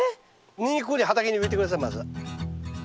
ニンニクここに畑に植えて下さいまず。